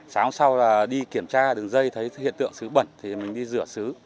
sáng sau là đi kiểm tra đường dây thấy hiện tượng xứ bẩn thì mình đi rửa xứ